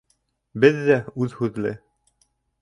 Беҙ ҙә үҙ һүҙле.